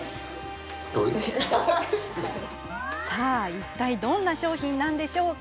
いったいどんな商品なんでしょうか。